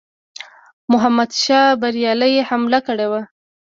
محمودشاه بریالی حمله کړې وه.